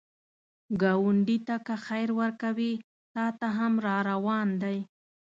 ګاونډي ته که خیر ورکوې، تا ته هم راروان دی